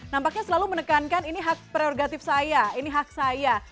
nampaknya selalu menekankan ini hak prerogatif saya ini hak saya